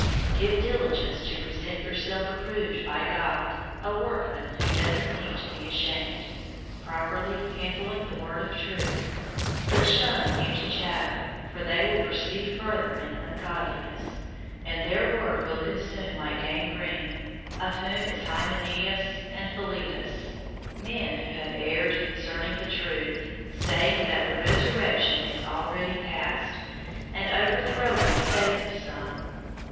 002:015 Give diligence to present yourself approved by God, a workman who doesn't need to be ashamed, properly handling the Word of Truth. 002:016 But shun empty chatter, for they will proceed further in ungodliness, 002:017 and their word will consume like gangrene, of whom is Hymenaeus and Philetus; 002:018 men who have erred concerning the truth, saying that the resurrection is already past, and overthrowing the faith of some.